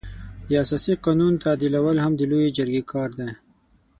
د اساسي قانون تعدیلول هم د لويې جرګې کار دی.